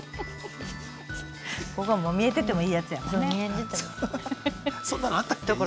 ここはもう見えててもいいやつやもんね。